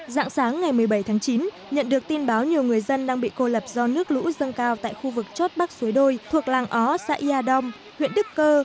dạng sáng ngày một mươi bảy tháng chín nhận được tin báo nhiều người dân đang bị cô lập do nước lũ dâng cao tại khu vực chốt bắc suối đôi thuộc làng ó xã ia dom huyện đức cơ